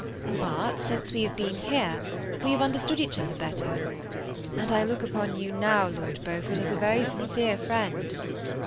But since we have been here, we have understood each other better ; and I look upon you now, Lord Beaufort, as a very sincere friend."